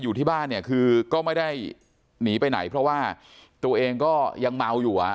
อยู่ที่บ้านเนี่ยคือก็ไม่ได้หนีไปไหนเพราะว่าตัวเองก็ยังเมาอยู่อ่ะ